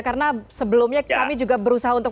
karena sebelumnya kami juga berusaha untuk